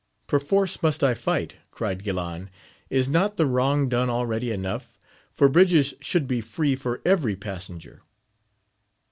Perforce must I fight? cried Guilan : is not the wrong done already enough, for bridges should be free for every passenger